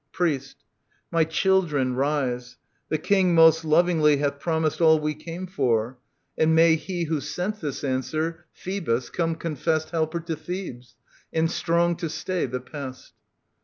Priest. My children, rise. — The King most lovingly Hath promised all we came for. And may He 10 TT.i4^i6i OEDIPUS, KING OF THEBES Who sent this answer, Phoebus, come confessed Helper to Thebes, and strong to stay the pest.